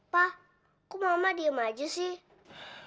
pak kok mama diem aja sih